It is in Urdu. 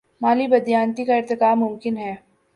مالی بد دیانتی کا ارتکاب ممکن ہے۔